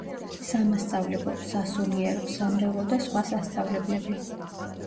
სამასწავლებლო, სასულიერო, სამრევლო და სხვა სასწავლებლები.